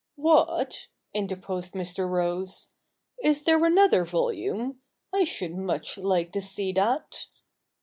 'What,' interposed Mr. Rose, 'is there another volume ? I should much like to see that.'